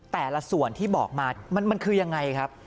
แต่ละส่วนที่บอกมามันคือยังไงครับ